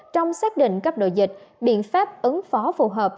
trong xác định cấp độ dịch biện pháp ứng phó phù hợp